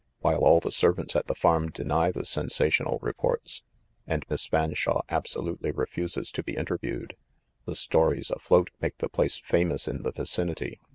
While all the servants at the farm deny the sensational reports, and Miss Fanshawe abso lutely refuses to be interviewed, the stories afloat make the place famous in the vicinity.